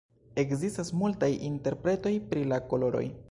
Ekzistas multaj interpretoj pri la koloroj.